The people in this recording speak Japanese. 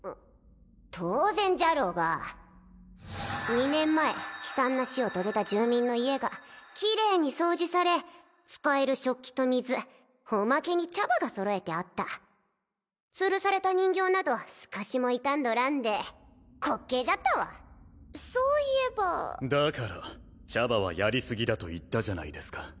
当然じゃろうが２年前悲惨な死を遂げた住民の家がキレイに掃除され使える食器と水おまけに茶葉が揃えてあったつるされた人形など少しも傷んどらんで滑稽じゃったわそういえばだから茶葉はやりすぎだと言ったじゃないですか